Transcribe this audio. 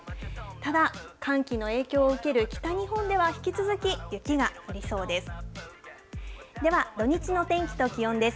ただ、寒気の影響を受ける北日本では引き続き雪が降りそうです。